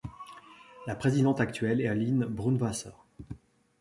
La présidente actuelle est Aline Brunwasser.